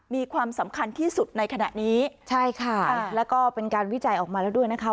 มีความสำคัญที่สุดในขณะนี้ใช่ค่ะแล้วก็เป็นการวิจัยออกมาแล้วด้วยนะคะ